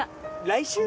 来週？